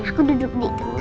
aku duduk di tengah